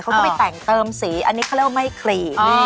เขาก็ไปแต่งเติมสีอันนี้เขาเรียกว่าไม่คลี